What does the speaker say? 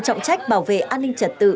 dù trọng trách bảo vệ an ninh trật tự